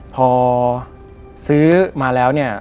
พอซื้อมาแล้วเนี่ย